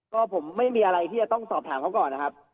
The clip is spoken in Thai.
ก็ผมไม่มีอะไรที่จะต้องสอบถามเขาก่อนนะครับ